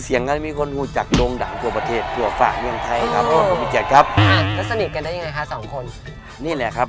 สนิทกันจริงก็นี่แหละครับภาพยนตร์ฮักแพงนี่แหละครับ